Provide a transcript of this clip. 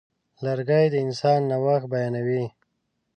لرګی د انسان نوښت بیانوي.